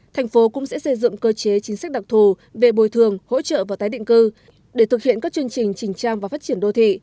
thành phố cũng sẽ xây dựng cơ chế chính sách đặc thù về bồi thường hỗ trợ và tái định cư để thực hiện các chương trình trình trang và phát triển đô thị